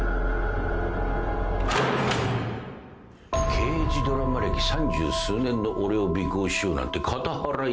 ・刑事ドラマ歴三十数年の俺を尾行しようなんて片腹痛いわ。